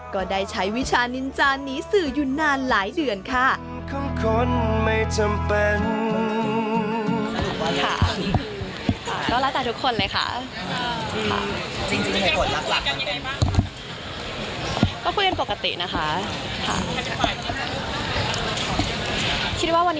ก็ได้ใช้วิชานินจานนี้สื่ออยู่นานหลายเดือนค่ะ